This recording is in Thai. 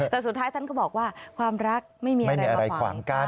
แต่สุดท้ายท่านก็บอกว่าความรักไม่มีอะไรมาขวางกั้น